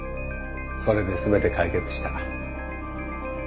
それで全て解決した。